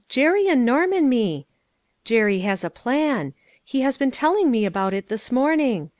Jerry and Norm and me. Jerry has a plan ; he has been telling me about it this morning.